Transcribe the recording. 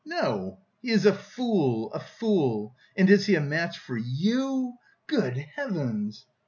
No, he is a fool, a fool. And is he a match for you? Good heavens!